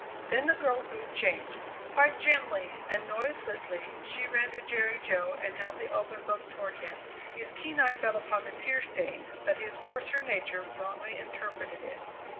Then the girl's mood changed. Quite gently and noiselessly she ran to Jerry Jo and held the opened book toward him. His keen eye fell upon the tear stain, but his coarser nature wrongly interpreted it.